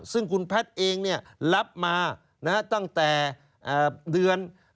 ซึ่งคุณแพทย์เองรับมาตั้งแต่เดือน